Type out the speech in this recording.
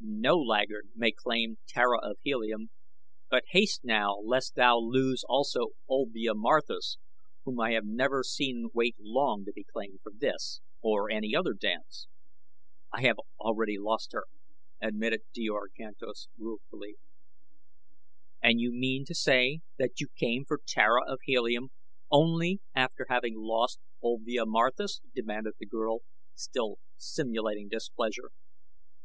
"No laggard may claim Tara of Helium; but haste now lest thou lose also Olvia Marthis, whom I have never seen wait long to be claimed for this or any other dance." "I have already lost her," admitted Djor Kantos ruefully. "And you mean to say that you came for Tara of Helium only after having lost Olvia Marthis?" demanded the girl, still simulating displeasure.